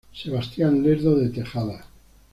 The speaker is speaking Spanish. Sebastián Lerdo de Tejada.